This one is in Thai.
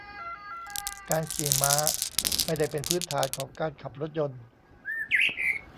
การขี่ม้าไม่ได้เป็นพื้นฐานของการขับรถยนต์